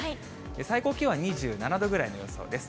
最高気温は２７度ぐらいの予想です。